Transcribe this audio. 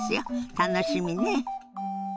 楽しみね。